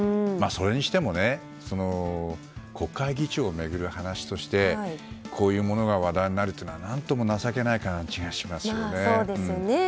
それにしても国会議長を巡る話としてこういうものが話題になるというのは何とも情けない感じがしますね。